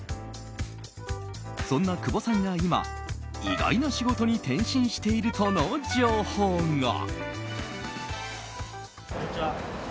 そんな久保さんが今意外な仕事に転身しているとの情報が。